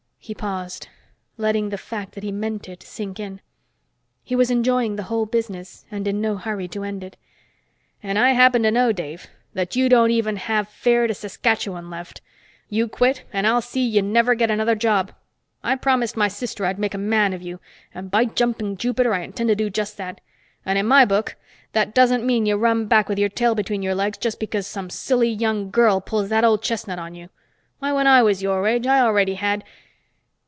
He paused, letting the fact that he meant it sink in. He was enjoying the whole business, and in no hurry to end it. "And I happen to know, Dave, that you don't even have fare to Saskatchewan left. You quit and I'll see you never get another job. I promised my sister I'd make a man of you and, by jumping Jupiter, I intend to do just that. And in my book, that doesn't mean you run back with your tail between your legs just because some silly young girl pulls that old chestnut on you. Why, when I was your age, I already had...."